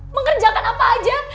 mengerjakan apa aja